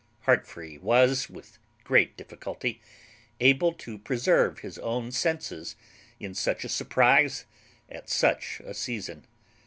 Heartfree was, with great difficulty, able to preserve his own senses in such a surprize at such a season.